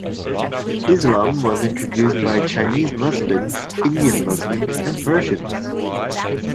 Islam was introduced by Chinese Muslims, Indian Muslims, and Persians.